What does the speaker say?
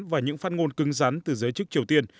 và những phát ngôn cứng rắn từ giới chức triều tiên